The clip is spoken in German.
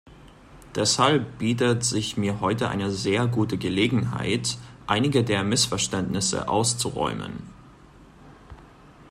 Deshalb bietet sich mir heute eine sehr gute Gelegenheit, einige der Missverständnisse auszuräumen.